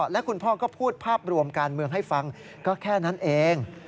และคุณพ่อก็พูดภาพรวมการเมืองให้ฟังก็แค่นั้นเอง